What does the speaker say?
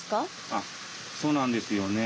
ああそうなんですね。